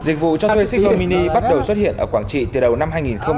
dịch vụ cho thuê xích lô mini bắt đầu xuất hiện ở quảng trị từ đầu năm hai nghìn một mươi năm